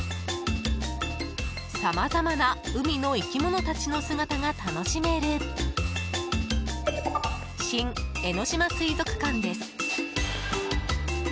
さまざまな海の生き物たちの姿が楽しめる新江ノ島水族館です。